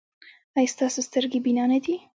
ایا ستاسو سترګې بینا نه دي؟